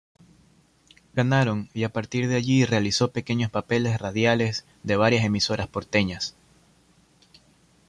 Ganaron y a partir de allí realizó pequeños papeles radiales de varias emisoras porteñas.